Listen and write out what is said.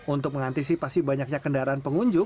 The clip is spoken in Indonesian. untuk mengantisipasi banyaknya kendaraan